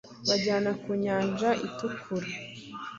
bajyana Ku Nyanja itukura,